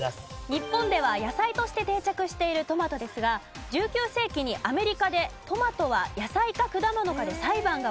日本では野菜として定着しているトマトですが１９世紀にアメリカでトマトは野菜か果物かで裁判が起きた事があるんです。